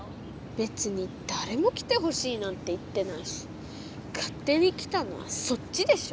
べつにだれも来てほしいなんて言ってないしかっ手に来たのはそっちでしょ。